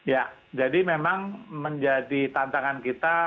ya jadi memang menjadi tantangan kita